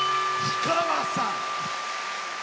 氷川さん。